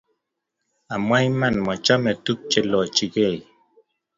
Amwaa iman, machome tukcheilochikei